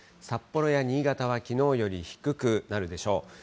札幌や新潟はきのうより低くなるでしょう。